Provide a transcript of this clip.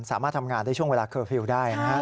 สามารถทำงานทั้งช่วงเวลาเคอร์ฟิวได้